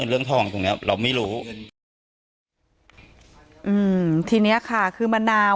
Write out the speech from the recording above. อืมทีเนี้ยค่ะคือมะนาว